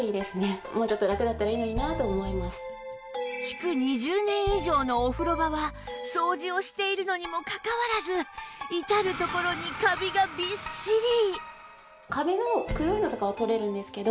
築２０年以上のお風呂場は掃除をしているのにもかかわらず至る所にカビがびっしり